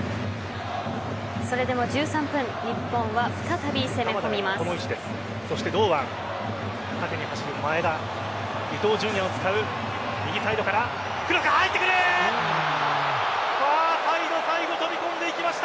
それでも１３分日本は再び攻め込みます。